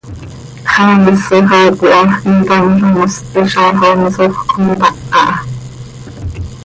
¿Xaa misoj haa cöihamjc intamzo mos, hizaax oo misoj oo contáh aha?